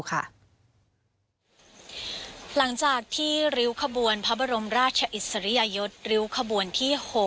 หลังจากที่ริ้วขบวนพระบรมราชอิสริยยศริ้วขบวนที่๖